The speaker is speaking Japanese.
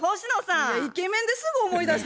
いやイケメンですぐ思い出したやん。